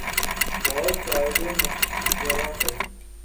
بہت صائب مشورہ ہے۔